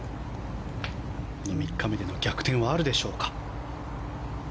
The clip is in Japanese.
３日目での逆転はあるでしょうか。